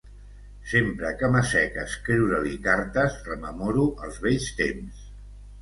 Sempre que m'assec a escriure-li cartes rememoro els vells temps.